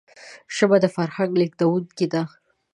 ژبه د فرهنګ لېږدونکی ده